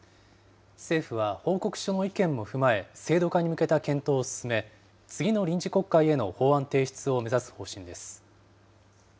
政府は報告書の意見も踏まえ、制度化に向けた検討を進め、次の臨時国会への法案提出を目指す方針です。